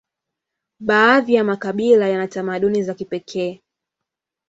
baadhi ya makabila yana tamaduni za kipekee